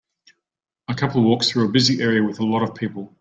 A couple walks through a busy area with a lot of people.